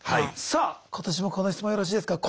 さあ今年もこの質問よろしいですか？